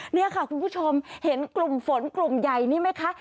นี่ค่ะคุณผู้ชมเห็นกลุ่มฝนกลุ่มใหญ่นี่ไหมคะ